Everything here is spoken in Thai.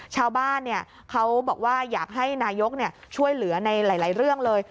ชาวบ้านเขาบอกว่าอยากให้นายกช่วยเหลือในหลายเรื่องเลย